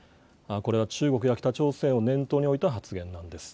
これは中国や北朝鮮を念頭に置いた発言なんです。